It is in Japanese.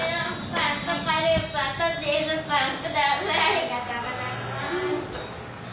ありがとうございます。